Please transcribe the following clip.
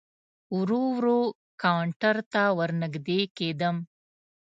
ورو ورو کاونټر ته ور نږدې کېدم.